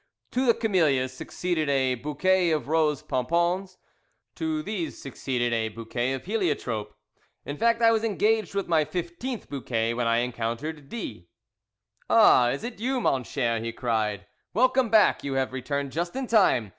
To the camellias succeeded a bouquet of rose pompons. To these succeeded a bouquet of heliotrope. In fact I was engaged with my fifteenth bouquet when I encountered D . "Ah, is it you, mon cher?" he cried. "Welcome back; you have returned just in time.